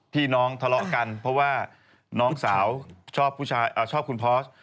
ที่น้องทะเลาะกันเพราะว่าน้องสาวชอบคุณพอส